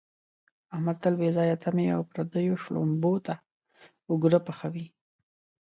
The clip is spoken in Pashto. احمد تل بې ځایه تمې او پردیو شړومبو ته اوګره پحوي.